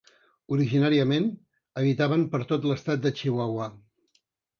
Originàriament habitaven per tot l'estat de Chihuahua.